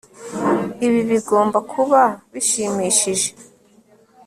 Ibi bigomba kuba bishimishije